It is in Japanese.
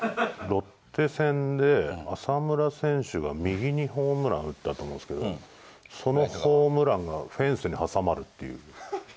ロッテ戦で、浅村選手が右にホームランを打ったと思うんですけど、そのホームランが、フェンスに挟まるっていう。